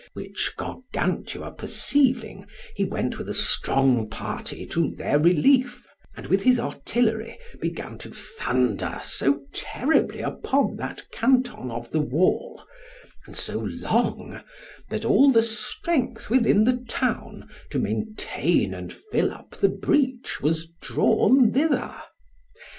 Which Gargantua perceiving, he went with a strong party to their relief, and with his artillery began to thunder so terribly upon that canton of the wall, and so long, that all the strength within the town, to maintain and fill up the breach, was drawn thither.